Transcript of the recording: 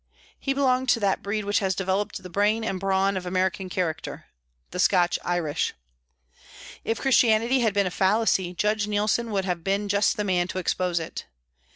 He belonged to that breed which has developed the brain and brawn of American character the Scotch Irish. If Christianity had been a fallacy, Judge Neilson would have been just the man to expose it.